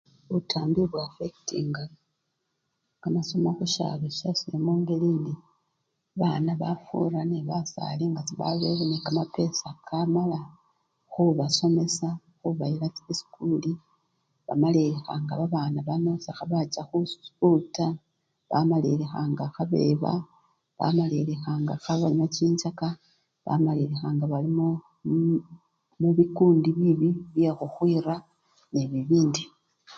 Butambi bu-affectinga kamasomo khusyalo syase mungeli indi babana bafura basali nga sebabele nekamapesa kamala khubasomesya khubayila esikuli, bamalilikha nga babana bano sekhebacha esikuli taa, bamalilisa nga khabeba, bamalilikha nga khebanywa chinchaka bamalilikha nga bali mu! mubikundi bibii byekhukhwira nende bibindi.